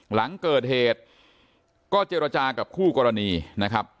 หลังเกิดเหตุก็เจรจากับคู่กรณีนะครับ